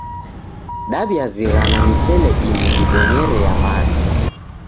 Daw'iazighana misele imu dibonyere ya mana.